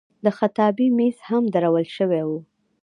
د خطابې میز هم درول شوی و.